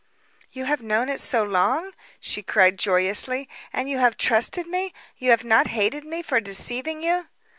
"You have known it so long?" she cried joyously. "And you have trusted me? You have not hated me for deceiving you?"